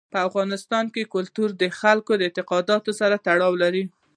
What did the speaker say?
په افغانستان کې کلتور د خلکو د اعتقاداتو سره تړاو لري.